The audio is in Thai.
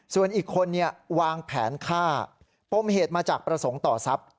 ส่วนอีกคนวางแผนฆ่าปมเหตุมาจากประสงค์ต่อทรัพย์